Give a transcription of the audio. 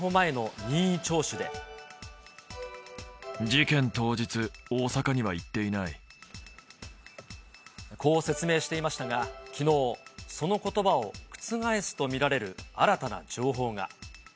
事件当日、こう説明していましたが、きのう、そのことばを覆すと見られる新たな情報が。